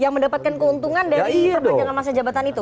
yang mendapatkan keuntungan dari perpanjangan masa jabatan itu